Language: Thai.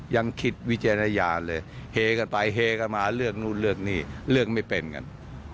ยังคิดวิจารณญาณเลยเฮกันไปเฮกันมาเลือกนู่นเลือกนี่เลือกไม่เป็นกัน